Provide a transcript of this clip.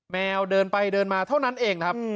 แมวเดินไปเดินมาเท่านั้นเองครับ